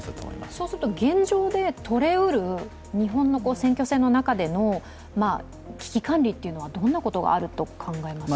そうすると、現状でとれうる日本の選挙戦の中での危機管理はどんなことがありますか。